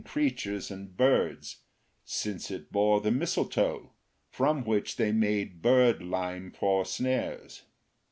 3 creatures and birds, since it bore the mistletoe, from which they made bird lime for snares.